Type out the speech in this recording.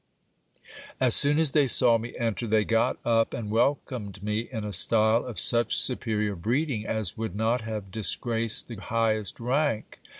As soon as they saw me enter, they got up and welcomed me in a style of such superior breeding, as would not have disgraced the highest rank.